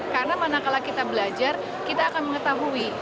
karena mana kalau kita belajar kita akan mengetahui